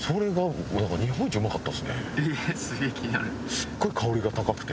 すっごい香りが高くて。